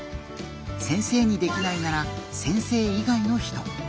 先生にできないなら先生以外の人。